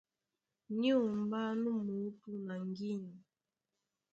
Ní unmbá nú muútú na ŋgínya.